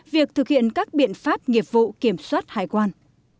việc thực hiện các biện pháp nghiệp vụ kiểm soát hải quan